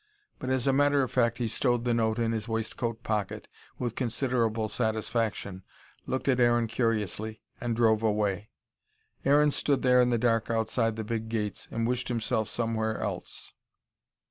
But as a matter of fact he stowed the note in his waistcoat pocket with considerable satisfaction, looked at Aaron curiously, and drove away. Aaron stood there in the dark outside the big gates, and wished himself somewhere else.